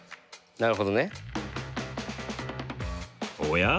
なるほどね。おや？